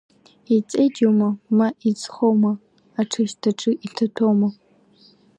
Иҵеиџьума ма иӡхоума, аҽышьҭаҿы иҭатәоума.